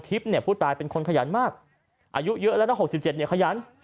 ผู้ตายเป็นคนขยันมากอายุเยอะแล้วนะ๖๗เนี่ยขยัน